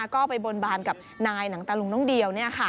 ก็ไปบนบานกับนายหนังตะลุงน้องเดียว